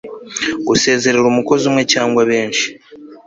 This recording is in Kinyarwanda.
gusezerera umukozi umwe cyangwa benshi